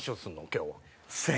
今日は。